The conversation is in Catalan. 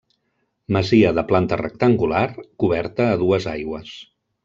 Masia de planta rectangular, coberta a dues aigües.